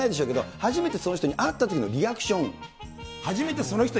初めてその人に会ったときのリアクション？